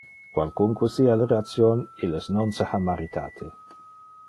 Qualcunque sia le ration, illes non se ha maritate.